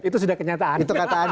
itu sudah kenyataan